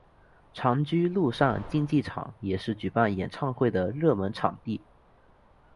长居陆上竞技场也是举办演唱会的热门场地。